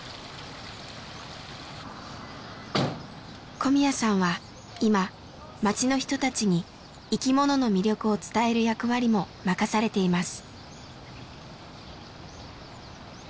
小宮さんは今町の人たちに生きものの魅力を伝える役割も任されています。